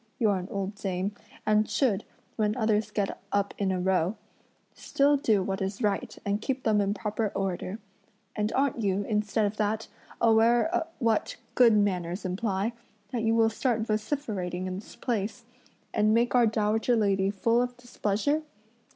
You're an old dame, and should, when others get up a row, still do what is right and keep them in proper order; and aren't you, instead of that, aware what good manners imply, that you will start vociferating in this place, and make our dowager lady full of displeasure?